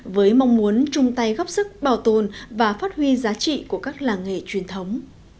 với mong muốn chung tay góp sức bảo tồn và phát huy giá trị của các làng nghề truyền thống